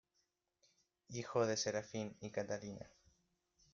Hijo de Serafín y Catalina.